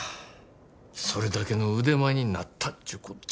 それだけの腕前になったちゅうこっちゃ。